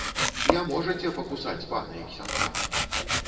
Не можаце пакусаць пана і ксяндза!